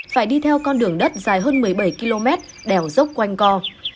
phải đi theo con đường đất dài hơn một mươi bảy km đèo dốc quanh co